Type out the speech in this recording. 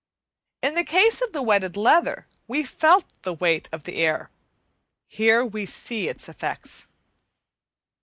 In the case of the wetted leather we felt the weight of the air, here we see its effects.